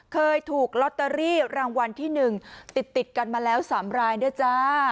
เคยถูกลอตเตอรี่รางวัลที่๑ติดกันมาแล้ว๓รายด้วยจ้า